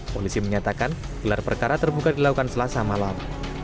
polisi menyatakan gelar perkara terbuka dilakukan selasa malam